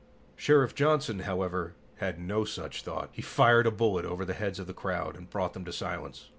Sheriff Johnson, however, had no such thought. He fired a bullet over the heads of the crowd and brought them to silence.